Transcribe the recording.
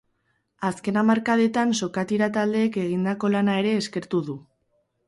Azken hamarkadetan sokatira taldeek egindako lana ere eskertu du.